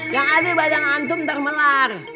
yang ada badan antum termelar